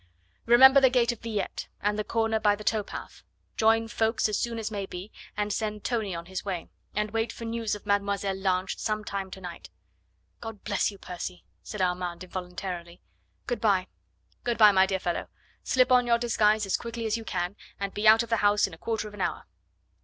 "Remember the gate of Villette, and the corner by the towpath. Join Ffoulkes as soon as may be and send Tony on his way, and wait for news of Mademoiselle Lange some time to night." "God bless you, Percy!" said Armand involuntarily. "Good bye!" "Good bye, my dear fellow. Slip on your disguise as quickly as you can, and be out of the house in a quarter of an hour."